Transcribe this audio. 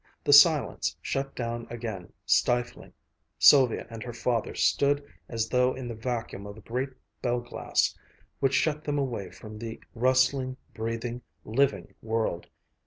The silence shut down again, stifling. Sylvia and her father stood as though in the vacuum of a great bell glass which shut them away from the rustling, breathing, living world.